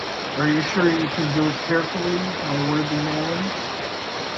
Are you sure you can do it carefully, my worthy man?